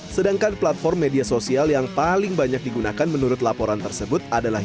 sedangkan platform media sosial yang paling banyak digunakan menurut laporan tersebut adalah